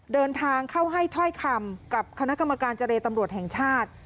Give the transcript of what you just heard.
เดินทางเข้าให้ถ้อยคำกับคณะกรรมการเจรตำรวจแห่งชาติ